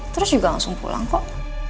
terus juga langsung pulang kok